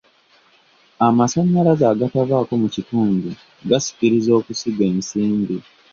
Amasannyalaze agatavaako mu kitundu gasikiriza okusiga ensimbi.